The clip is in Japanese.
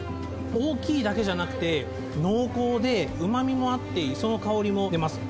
大きいだけじゃなくて、濃厚でうまみもあって、磯の香りもあります。